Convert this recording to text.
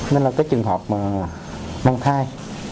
nên là cái trường hợp mà mang thai